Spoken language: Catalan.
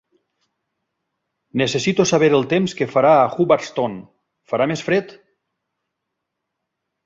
Necessito saber el temps que farà a Hubbardston, farà més fred?